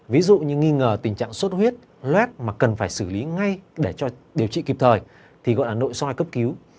ví dụ như nghi ngờ tình trạng suốt huyết loét mà cần phải xử lý ngay để điều trị kịp thời thì gọi là nội soi cấp cứu